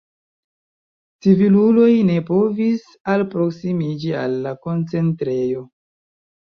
Civiluloj ne povis alproksimiĝi al la koncentrejo.